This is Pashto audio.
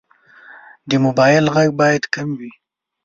د موبایل غږ باید کم وي.